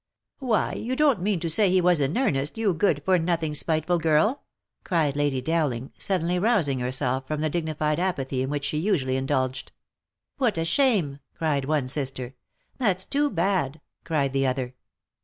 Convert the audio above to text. "Why you don't mean to say he was in earnest, you good for nothing spiteful girl !" cried Lady Dowling, suddenly rousing herself from the dignified apathy in which she usually indulged. " What a shame !" cried one sister. " That's too bad !" cried the other.